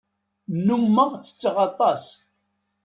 Nnummeɣ ttetteɣ aṭas.